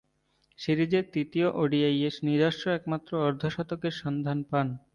সিরিজের তৃতীয় ওডিআইয়ে নিজস্ব একমাত্র অর্ধ-শতকের সন্ধান পান।